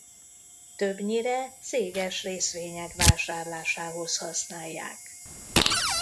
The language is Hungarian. Többnyire céges részvények vásárlásához használják.